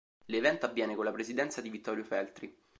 L'evento avviene con la presidenza di Vittorio Feltri.